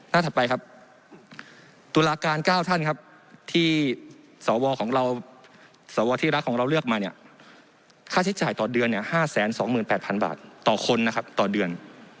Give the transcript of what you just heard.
ถัดไปครับตุลาการ๙ท่านครับที่สวของเราสวที่รักของเราเลือกมาเนี่ยค่าใช้จ่ายต่อเดือน๕๒๘๐๐๐บาทต่อคนนะครับต่อเดือน